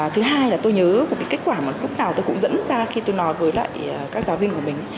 thứ hai là tôi nhớ một cái kết quả mà lúc nào tôi cũng dẫn ra khi tôi nói với lại các giáo viên của mình